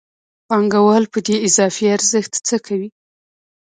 پانګوال په دې اضافي ارزښت څه کوي